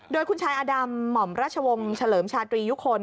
โดยคุณชายอดำหม่อมราชวงศ์เฉลิมชาตรียุคล